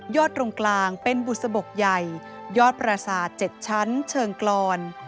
ยอดตรงกลางเป็นบุตสะบกใหญ่ยอดปราศาสตร์๗ชั้นเชิงกลอน